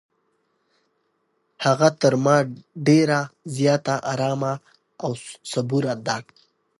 هغه تر ما ډېره زیاته ارامه او صبوره ده.